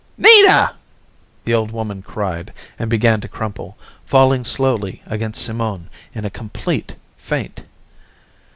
"Nina!" the old woman cried, and began to crumple, falling slowly against Simone in a complete faint.